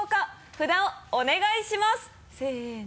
札をお願いします！せの。